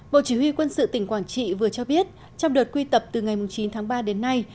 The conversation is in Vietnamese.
bộ chỉ huy quân sự tỉnh quảng trị vừa cho biết trong đợt quy tập từ ngày chín tháng ba đến nay